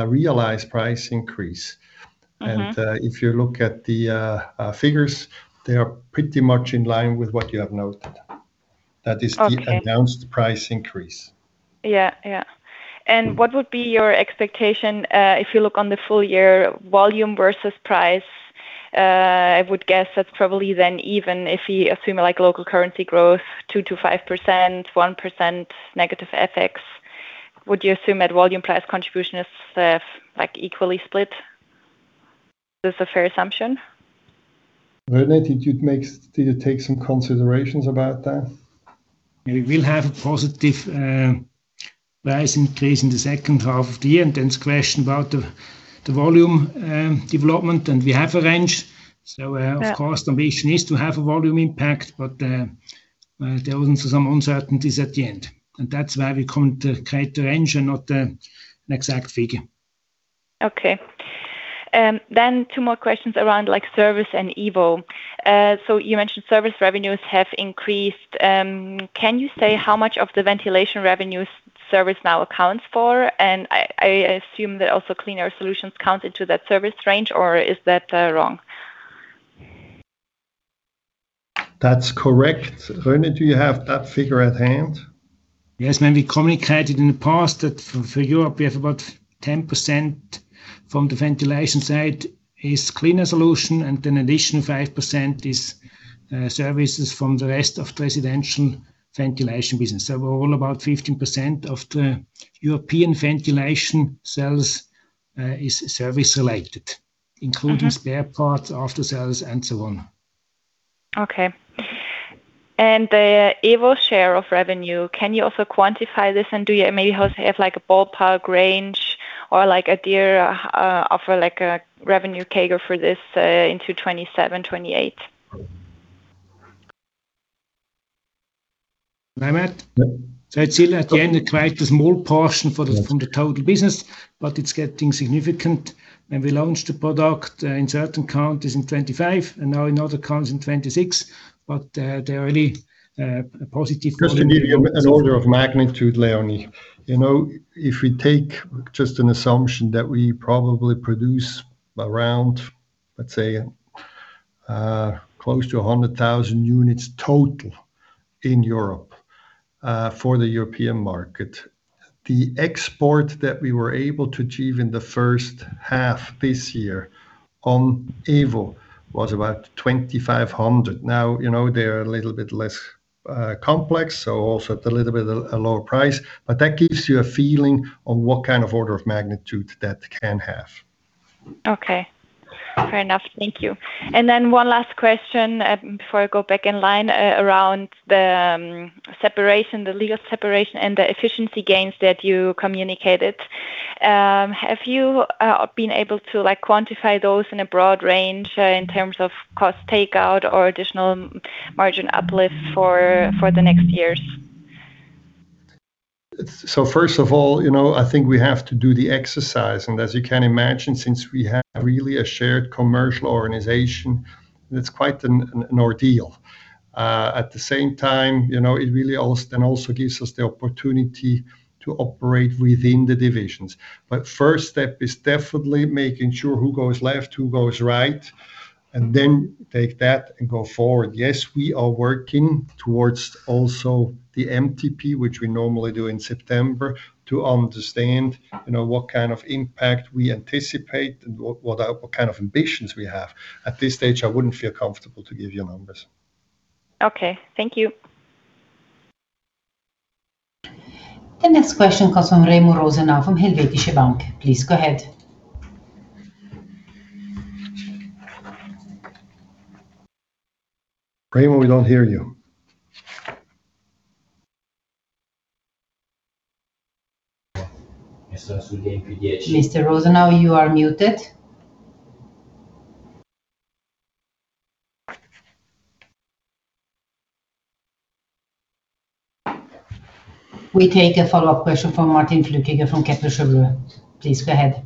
[SPEAKER 2] realized price increase. If you look at the figures, they are pretty much in line with what you have noted.
[SPEAKER 6] Okay.
[SPEAKER 2] That is the announced price increase.
[SPEAKER 6] What would be your expectation, if you look on the full year volume versus price? I would guess that's probably then even if you assume local currency growth 2%-5%, 1% negative FX. Would you assume that volume price contribution is equally split? Is this a fair assumption?
[SPEAKER 2] René, did you take some considerations about that?
[SPEAKER 3] We will have a positive price increase in the H2 of the year. Then it's a question about the volume development. We have a range. Of course, the ambition is to have a volume impact, but there are some uncertainties at the end. That's why we communicate a range and not an exact figure.
[SPEAKER 6] Okay. Two more questions around service and EVO. You mentioned service revenues have increased. Can you say how much of the ventilation revenues service now accounts for? I assume that also Clean Air Solutions count into that service range, or is that wrong?
[SPEAKER 2] That's correct. René, do you have that figure at hand?
[SPEAKER 3] Yes. When we communicated in the past that for Europe, we have about 10% from the ventilation side is Clean Air Solutions, and an additional 5% is services from the rest of residential ventilation business. All about 15% of the European ventilation sales is service related, including spare parts, after sales, and so on.
[SPEAKER 6] Okay. The EVO share of revenue, can you also quantify this, and do you maybe also have a ballpark range or idea of a revenue CAGR for this into 2027, 2028?
[SPEAKER 3] Am I muted?
[SPEAKER 2] No.
[SPEAKER 3] It's still at the end, quite a small portion from the total business, but it's getting significant. When we launched the product in certain countries in 2025, and now in other countries in 2026.
[SPEAKER 2] Just to give you an order of magnitude, Leonie. If we take just an assumption that we probably produce around, let's say, close to 100,000 units total in Europe, for the European market. The export that we were able to achieve in the H1 this year on EVO was about 2,500. Now, they're a little bit less complex, so also at a little bit lower price. That gives you a feeling of what kind of order of magnitude that can have.
[SPEAKER 6] Okay. Fair enough. Thank you. Then one last question before I go back in line, around the legal separation and the efficiency gains that you communicated. Have you been able to quantify those in a broad range in terms of cost takeout or additional margin uplift for the next years?
[SPEAKER 2] First of all, I think we have to do the exercise, as you can imagine, since we have really a shared commercial organization, it's quite an ordeal. At the same time, it really then also gives us the opportunity to operate within the divisions. First step is definitely making sure who goes left, who goes right, and then take that and go forward. Yes, we are working towards also the MTP, which we normally do in September, to understand what kind of impact we anticipate and what kind of ambitions we have. At this stage, I wouldn't feel comfortable to give you numbers.
[SPEAKER 6] Okay. Thank you.
[SPEAKER 1] The next question comes from Remo Rosenau from Helvetische Bank. Please go ahead.
[SPEAKER 2] Remo, we don't hear you.
[SPEAKER 1] Mr. Rosenau, you are muted. We take a follow-up question from Martin Flueckiger from Kepler Cheuvreux. Please go ahead.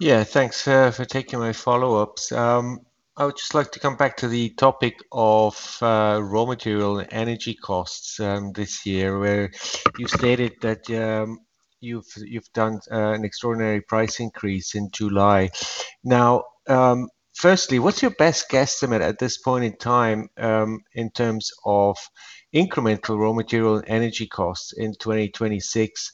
[SPEAKER 5] Yeah, thanks for taking my follow-ups. I would just like to come back to the topic of raw material energy costs this year, where you stated that you've done an extraordinary price increase in July. Now, firstly, what's your best guesstimate at this point in time in terms of incremental raw material energy costs in 2026?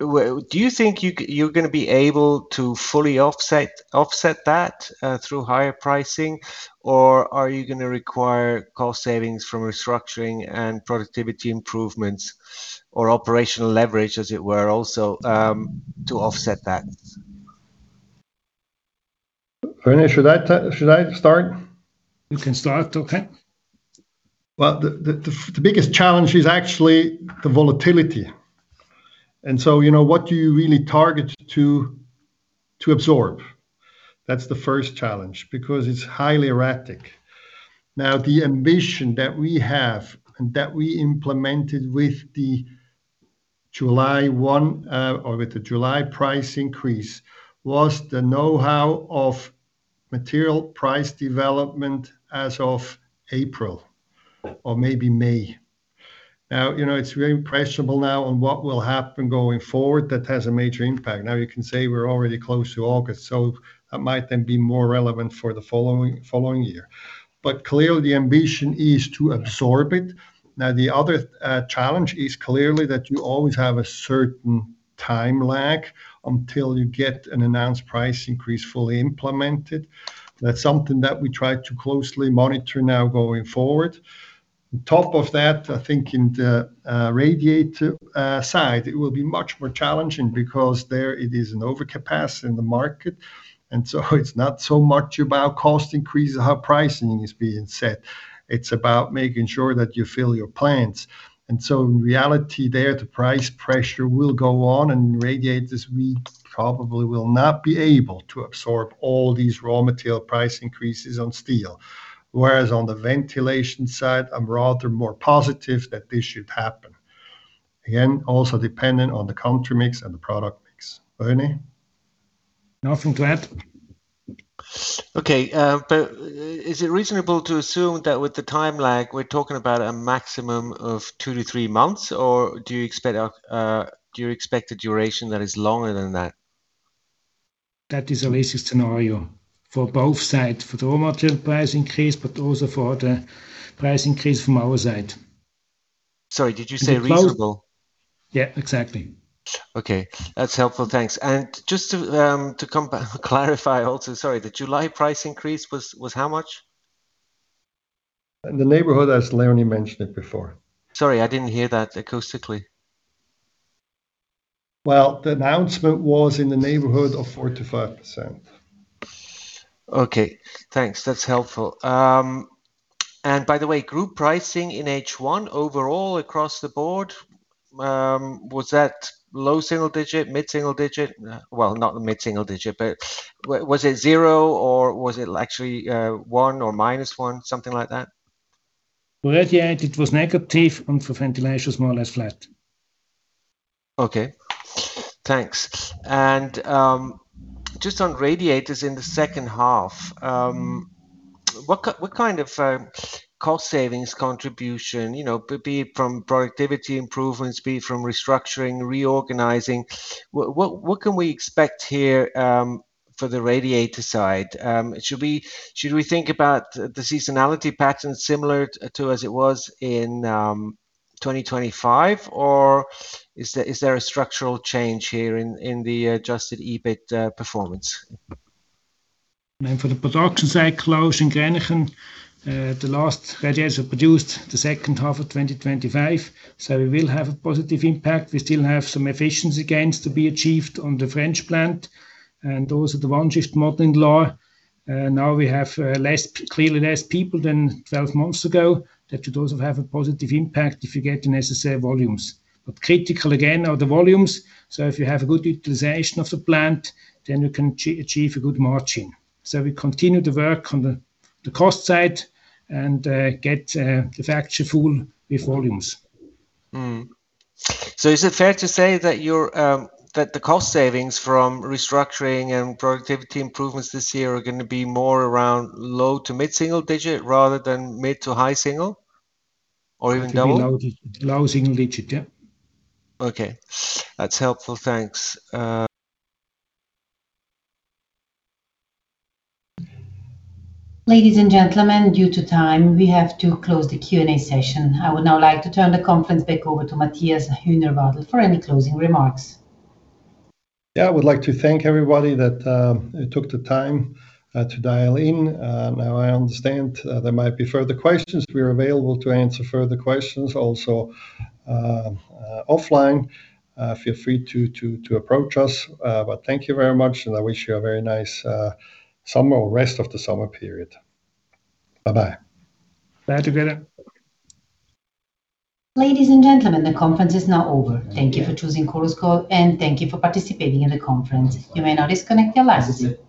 [SPEAKER 5] Do you think you're going to be able to fully offset that through higher pricing, or are you going to require cost savings from restructuring and productivity improvements or operational leverage, as it were also, to offset that?
[SPEAKER 2] René, should I start?
[SPEAKER 3] You can start. Okay.
[SPEAKER 2] Well, the biggest challenge is actually the volatility. So, what do you really target to absorb? That's the first challenge, because it's highly erratic. The ambition that we have and that we implemented with the July price increase was the know-how of material price development as of April or maybe May. It's very impressionable now on what will happen going forward that has a major impact. You can say we're already close to August, so that might then be more relevant for the following year. Clearly, the ambition is to absorb it. The other challenge is clearly that you always have a certain time lag until you get an announced price increase fully implemented. That's something that we try to closely monitor now going forward. On top of that, I think in the radiator side, it will be much more challenging because there it is an overcapacity in the market, so it's not so much about cost increases, how pricing is being set. It's about making sure that you fill your plants. In reality there, the price pressure will go on, and in radiators we probably will not be able to absorb all these raw material price increases on steel. Whereas on the ventilation side, I'm rather more positive that this should happen. Again, also dependent on the country mix and the product mix. René?
[SPEAKER 3] No, I think we're good.
[SPEAKER 5] Okay. Is it reasonable to assume that with the time lag, we're talking about a maximum of two to three months, or do you expect a duration that is longer than that?
[SPEAKER 3] That is a realistic scenario for both sides, for the raw material price increase, but also for the price increase from our side.
[SPEAKER 5] Sorry, did you say reasonable?
[SPEAKER 3] Yeah, exactly.
[SPEAKER 5] Okay, that's helpful. Thanks. Just to clarify also, sorry, the July price increase was how much?
[SPEAKER 2] In the neighborhood as Leonie mentioned it before.
[SPEAKER 5] Sorry, I didn't hear that acoustically.
[SPEAKER 2] Well, the announcement was in the neighborhood of 4%-5%.
[SPEAKER 5] Okay, thanks. That's helpful. By the way, group pricing in H1 overall across the board, was that low single digit, mid single digit? Well, not mid single digit, but was it zero or was it actually one or minus one, something like that?
[SPEAKER 3] For radiator it was negative, for ventilation it's more or less flat.
[SPEAKER 5] Okay, thanks. Just on radiators in the H2, what kind of cost savings contribution, be it from productivity improvements, be it from restructuring, reorganizing, what can we expect here for the radiator side? Should we think about the seasonality pattern similar to as it was in 2025? Is there a structural change here in the adjusted EBIT performance?
[SPEAKER 3] For the production side closure in Grenchen, the last radiator produced the H2 of 2025, we will have a positive impact. We still have some efficiency gains to be achieved on the French plant, and also the one-shift model. Now we have clearly less people than 12 months ago. That should also have a positive impact if you get the necessary volumes. Critical, again, are the volumes. If you have a good utilization of the plant, you can achieve a good margin. We continue to work on the cost side and get the factory full with volumes.
[SPEAKER 5] Is it fair to say that the cost savings from restructuring and productivity improvements this year are going to be more around low to mid single digit rather than mid to high single? Even low?
[SPEAKER 3] Low single digit, yeah.
[SPEAKER 5] Okay. That's helpful. Thanks.
[SPEAKER 1] Ladies and gentlemen, due to time, we have to close the Q&A session. I would now like to turn the conference back over to Matthias Huenerwadel for any closing remarks.
[SPEAKER 2] I would like to thank everybody that took the time to dial in. Now I understand there might be further questions. We are available to answer further questions also offline. Feel free to approach us. Thank you very much, and I wish you a very nice summer or rest of the summer period. Bye-bye.
[SPEAKER 3] Bye together.
[SPEAKER 1] Ladies and gentlemen, the conference is now over. Thank you for choosing Chorus Call, and thank you for participating in the conference. You may now disconnect your lines.